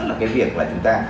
là cái việc là chúng ta